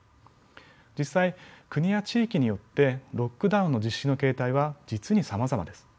実際国や地域によってロックダウンの実施の形態は実にさまざまです。